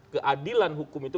keadilan hukum itu